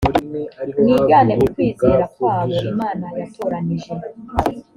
mwigane ukwizera kwabo imana yatoranije